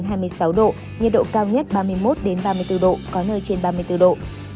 nhiệt độ cao nhất ba mươi một ba mươi bốn độ có nơi trên ba mươi bốn độ